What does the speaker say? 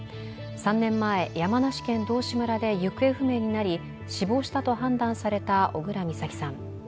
３年前、山梨県道志村で行方不明になり、死亡したと判断された小倉美咲さん。